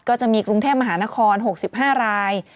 ก็จะมีกรุงเทพมหานคร๖๕ราย